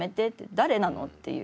「誰なの？」っていう。